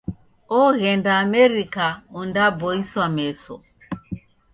Oghenda Amerika ondeboiswa meso.